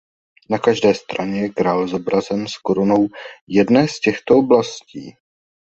Na každé straně je král zobrazen s korunou jedné z těchto oblastí.